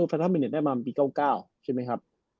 แฟนทอมมายเนทได้มาปี๙๙ใช่มั้ยครับ